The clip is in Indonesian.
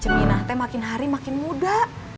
cemina teh makin hari makin muda